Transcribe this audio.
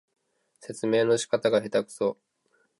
説明の仕方がへたくそ